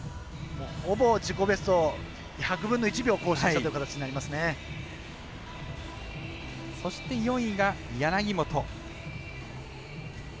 ほぼ自己ベストを１００分の１秒そして４位が柳本。